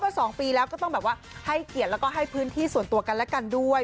๒ปีแล้วก็ต้องแบบว่าให้เกียรติแล้วก็ให้พื้นที่ส่วนตัวกันและกันด้วย